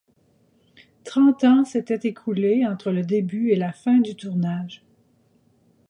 Trente ans s'étaient écoulés entre le début et la fin du tournage.